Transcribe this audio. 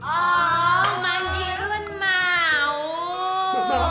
oh pak girun mau